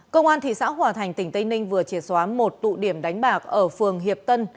công an thị xã hòa thành tỉnh tây ninh vừa triệt xóa một tụ điểm đánh bạc ở phường hiệp tân